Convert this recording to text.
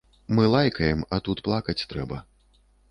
Мы лайкаем, а тут плакаць трэба.